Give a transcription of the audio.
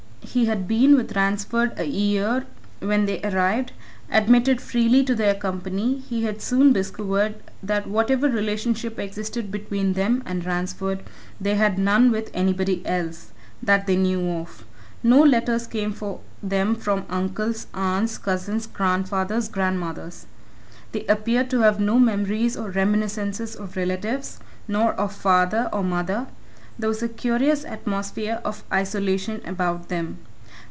He had been with Ransford a year when they arrived; admitted freely to their company, he had soon discovered that whatever relationship existed between them and Ransford, they had none with anybody else that they knew of. No letters came for them from uncles, aunts, cousins, grandfathers, grandmothers. They appeared to have no memories or reminiscences of relatives, nor of father or mother; there was a curious atmosphere of isolation about them.